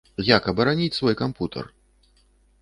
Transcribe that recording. Як абараніць свой кампутар?